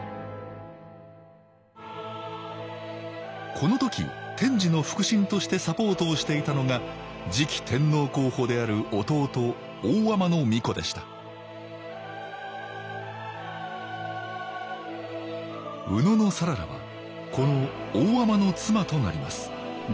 この時天智の腹心としてサポートをしていたのが次期天皇候補である弟大海人皇子でした野讚良はこの大海人の妻となります